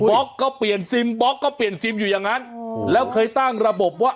ล็อกก็เปลี่ยนซิมบล็อกก็เปลี่ยนซิมอยู่อย่างนั้นแล้วเคยตั้งระบบว่า